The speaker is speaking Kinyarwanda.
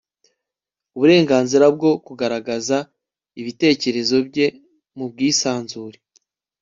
uburenganzira bwo kugaragaza ibitekerezo bye mu bwisanzure